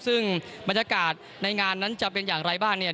ซึ่งบรรยากาศในงานนั้นจะเป็นอย่างไรบ้างเนี่ย